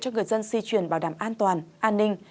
cho người dân si truyền bảo đảm an toàn an ninh